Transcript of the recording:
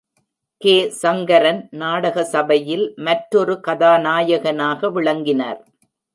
K. Sankaran நாடக சபையில் மற்றொரு கதாநாயகனாக விளங்கினார்.